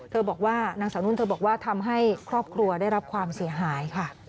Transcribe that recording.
บอกว่านางสาวนุ่นเธอบอกว่าทำให้ครอบครัวได้รับความเสียหายค่ะ